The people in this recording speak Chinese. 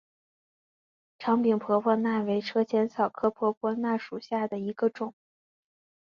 长柄婆婆纳为车前草科婆婆纳属下的一个种。